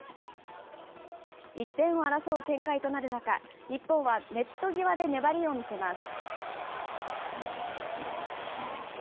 １点を争う展開となる中、日本はネット際で粘りを見せます。